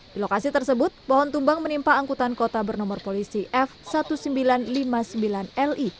di lokasi tersebut pohon tumbang menimpa angkutan kota bernomor polisi f seribu sembilan ratus lima puluh sembilan li